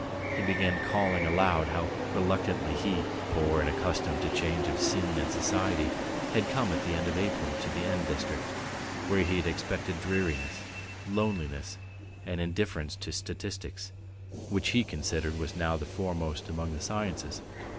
He began calling aloud how reluctantly he, poor and unaccustomed to change of scene and society, had come at the end of April to the N District, where he had expected dreariness, loneliness, and indifference to statistics, which he considered was now the foremost among the sciences.